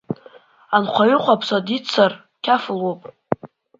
Анхаҩы хәаԥса диццар қьаф луп!